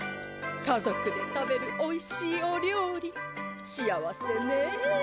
家族で食べるおいしいおりょうり幸せねえ。